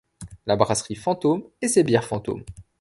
La brasserie Fantôme et ses bières Fantôme.